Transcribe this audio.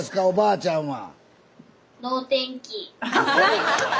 おばあちゃん